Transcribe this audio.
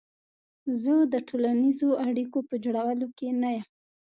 زه د ټولنیزو اړیکو په جوړولو کې نه یم.